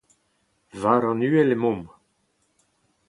War an uhel emaomp.